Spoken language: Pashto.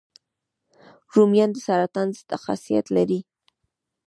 رومیان د سرطان ضد خاصیت لري